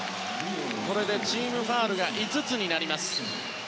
これでチームファウルが５つになります。